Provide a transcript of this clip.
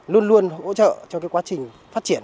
luôn luôn hỗ trợ cho quá trình phát triển